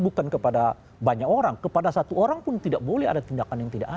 bukan kepada banyak orang kepada satu orang pun tidak boleh ada tindakan yang tidak ada